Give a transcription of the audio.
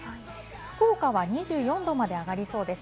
福岡は２４度まで上がりそうです。